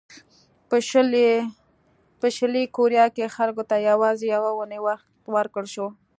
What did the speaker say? په شلي کوریا کې خلکو ته یوازې یوه اونۍ وخت ورکړل شو.